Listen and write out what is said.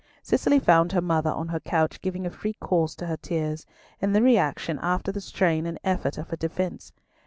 Cicely found her mother on her couch giving a free course to her tears, in the reaction after the strain and effort of her defence.